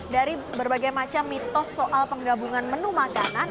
dari berbagai macam mitos soal penggabungan menu makanan